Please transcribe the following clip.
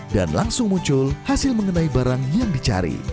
dan langsung muncul hasil mengenai barang yang dicari